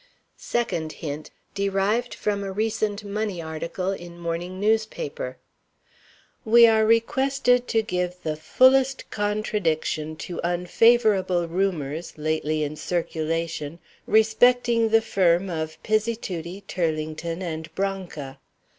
Second Hint. (Derived from a recent Money Article in morning Newspaper.) "We are requested to give the fullest contradiction to unfavorable rumors lately in circulation respecting the firm of Pizzituti, Turlington, and Branca.